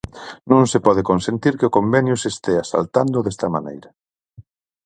Non se pode consentir que o convenio se estea saltando desta maneira.